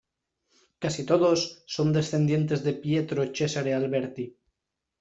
Casi todos son descendientes de Pietro Cesare Alberti.